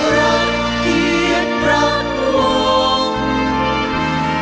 รักเกียรติรักวง